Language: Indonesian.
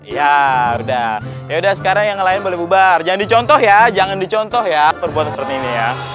ya udah yaudah sekarang yang lain boleh bubar jangan dicontoh ya jangan dicontoh ya perbuatan seperti ini ya